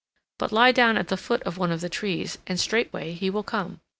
But lie down at the foot of one of the trees and straightway he will come.